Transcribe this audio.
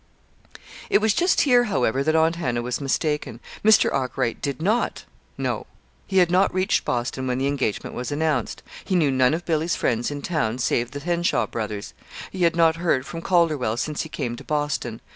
It was just here, however, that Aunt Hannah was mistaken. Mr. Arkwright did not know. He had not reached Boston when the engagement was announced. He knew none of Billy's friends in town save the Henshaw brothers. He had not heard from Calderwell since he came to Boston.